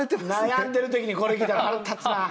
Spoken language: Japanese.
悩んでる時にこれきたら腹立つなあ。